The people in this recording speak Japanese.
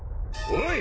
おい！